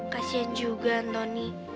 kasian juga antoni